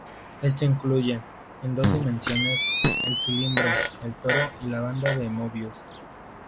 Esto incluye, en dos dimensiones, el cilindro, el toro, y la banda de Möbius.